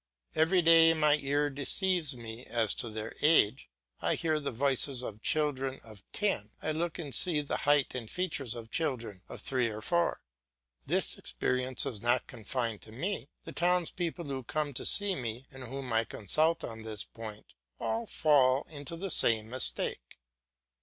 Every day my ear deceives me as to their age. I hear the voices of children of ten; I look and see the height and features of children of three or four. This experience is not confined to me; the townspeople who come to see me, and whom I consult on this point, all fall into the same mistake.